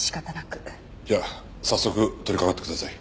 じゃあ早速取りかかってください。